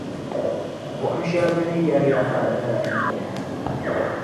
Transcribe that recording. Buɣim shɛli bɛni yari yaa maa nyɛla din beni.